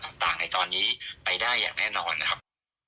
ต่างในตอนนี้ไปได้อย่างแน่นอนนะครับ